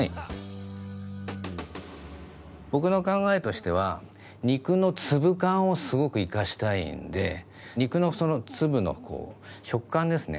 僕の考えとしては肉の粒感をすごく生かしたいんで肉の粒のこう食感ですね